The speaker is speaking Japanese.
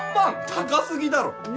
高過ぎだろ。